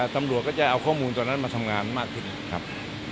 ตำรวจก็จะเอาข้อมูลตอนนั้นมาทำงานมากขึ้นครับ